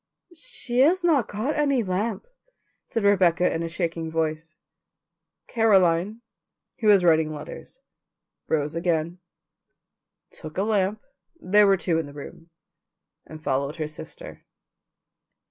"She has not got any lamp," said Rebecca in a shaking voice. Caroline, who was writing letters, rose again, took a lamp (there were two in the room) and followed her sister.